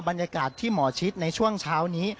บรรยากาศที่หมอชิดในช่วงเช้านี้